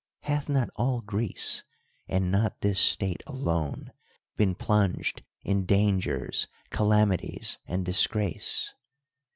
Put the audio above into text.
Hath not all (ireeee, and not this state alone, been plunged in dangers, calami tics, and disgrace?